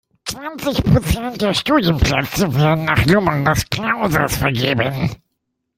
Zwanzig Prozent der Studienplätze werden nach Numerus Clausus vergeben.